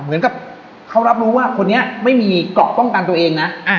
เหมือนกับเขารับรู้ว่าคนนี้ไม่มีเกาะป้องกันตัวเองนะ